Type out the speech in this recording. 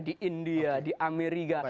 di india di amerika